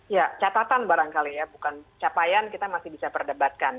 ya catatan barangkali ya bukan capaian kita masih bisa perdebatkan